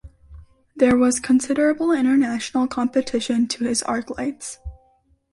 There was considerable international competition to his arc lights.